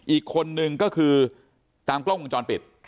อีกคนนึงก็คือตามกล้องวงจรปิด